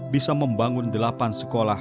bisa membangun delapan sekolah